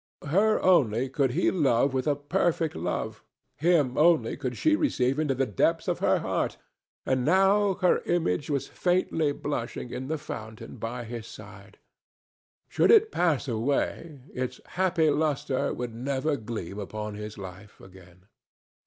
Her only could he love with a perfect love, him only could she receive into the depths of her heart, and now her image was faintly blushing in the fountain by his side; should it pass away, its happy lustre would never gleam upon his life again.